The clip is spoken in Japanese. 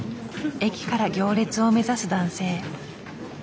駅から行列を目指す男性。